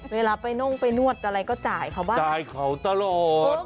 เวลาไปน่งไปนวดอะไรก็จ่ายเขาบ้างจ่ายเขาตลอด